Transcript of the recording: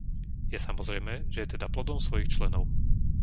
Je samozrejmé, že je teda plodom svojich členov.